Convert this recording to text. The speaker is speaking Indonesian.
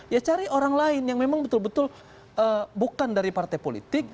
ya cari orang lain yang memang betul betul bukan dari partai politik